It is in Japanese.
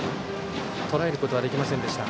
とらえることはできませんでした。